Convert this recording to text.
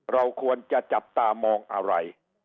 เราควรจะจับตามองอะไร